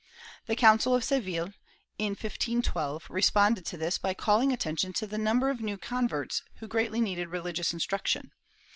^ The council of Seville, in 1512, responded to this by calling atten tion to the number of new converts who greatly needed rehgious instruction.